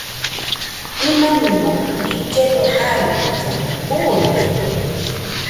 Imanimo illledo jaidɨlla, buide